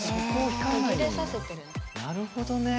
なるほどね。